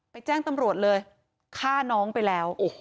แจ้งตำรวจเลยฆ่าน้องไปแล้ว